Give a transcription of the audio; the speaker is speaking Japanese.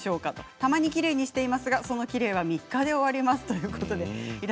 たまに、きれいにしていますがそのきれいは３日で終わります。